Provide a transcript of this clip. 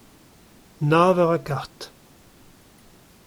Nav eur ha kard.